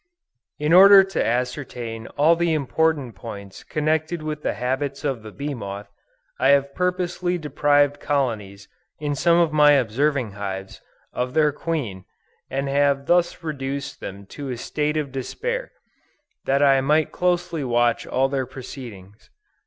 In order to ascertain all the important points connected with the habits of the bee moth, I have purposely deprived colonies in some of my observing hives, of their queen, and have thus reduced them to a state of despair, that I might closely watch all their proceedings.